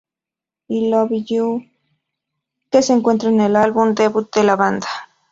I Love You", que se encuentran en el álbum debut de la banda.